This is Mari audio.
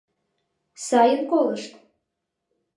Сайын колышт...